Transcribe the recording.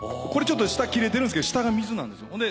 ちょっと下切れてるんすけど下が水なんですよ。